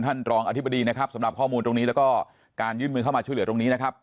ท่านรองอธิบดีนะครับสำหรับข้อมูลตรงนี้แล้วก็การยื่นมือเข้ามาช่วยเหลือตรงนี้นะครับ